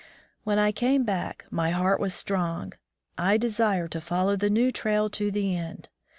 When I came back, my heart was strong. I desired to follow the new trail to the end.